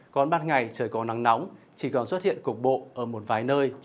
còn ban ngày trời có nắng nóng chỉ còn xuất hiện cục bộ ở một vài nơi